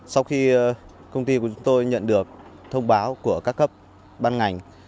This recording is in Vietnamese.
sau khi công ty của chúng tôi nhận được thông báo của các cấp ban ngành